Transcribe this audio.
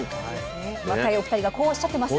若いお二人がこうおっしゃってます。